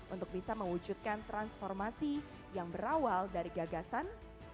untuk bisa mewujudkan transformasi yang berawal dari gagasan